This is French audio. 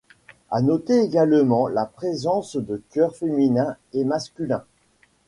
À noter également la présence de chœurs féminins et masculins.